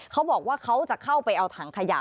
เขาบอกว่าเขาจะเข้าไปเอาถังขยะ